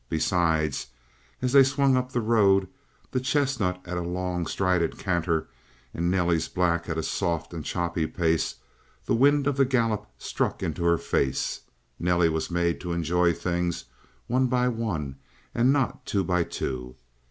Besides, as they swung up the road the chestnut at a long strided canter and Nelly's black at a soft and choppy pace the wind of the gallop struck into her face; Nelly was made to enjoy things one by one and not two by two.